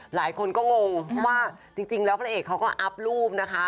หลายคนก็งงว่าจริงแล้วพระเอกเขาก็อัพรูปนะคะ